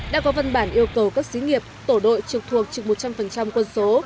đã có văn bản yêu cầu các sĩ nghiệp tổ đội trực thuộc trực một trăm linh quân số